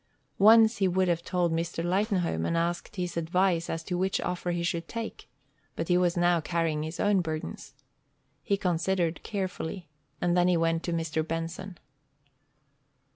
Once he would have told Mr. Lightenhome, and asked his advice as to which offer he should take, but he was now carrying his own burdens. He considered carefully, and then he went to Mr. Benson.